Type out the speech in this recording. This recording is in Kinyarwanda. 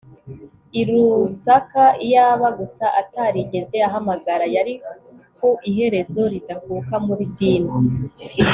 i lusaka - iyaba gusa atarigeze ahamagara. yari ku iherezo ridakuka muri dean